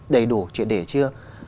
đầy đủ chuyện để chưa